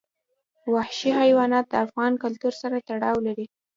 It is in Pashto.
وحشي حیوانات د افغان کلتور سره تړاو لري.